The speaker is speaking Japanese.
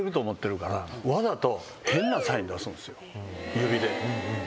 指で。